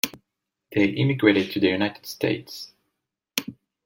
They emigrated to the United States.